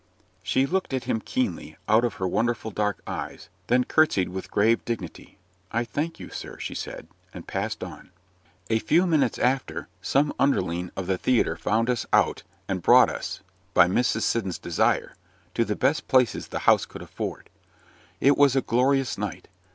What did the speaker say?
She looked at him keenly, out of her wonderful dark eyes, then curtsied with grave dignity "I thank you, sir," she said, and passed on. A few minutes after some underling of the theatre found us out and brought us, "by Mrs. Siddons' desire," to the best places the house could afford. It was a glorious night.